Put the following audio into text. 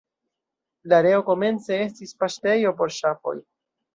La areo komence estis paŝtejo por ŝafoj.